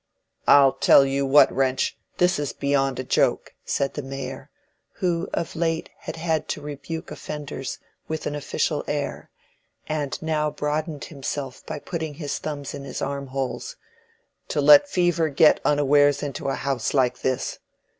"I'll tell you what, Wrench, this is beyond a joke," said the Mayor, who of late had had to rebuke offenders with an official air, and now broadened himself by putting his thumbs in his armholes. "To let fever get unawares into a house like this.